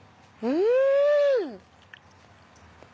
うん！